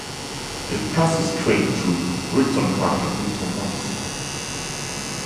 It passes straight through Richton Park and into Matteson.